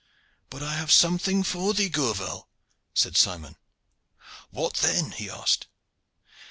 'But I have something for thee, Gourval,' said Simon. 'What then?' he asked.